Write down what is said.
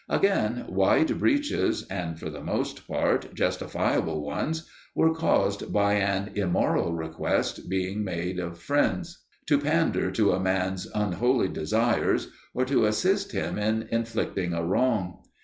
Again, wide breaches and, for the most part, justifiable ones were caused by an immoral request being made of friends, to pander to a man's unholy desires or to assist him in inflicting a wrong.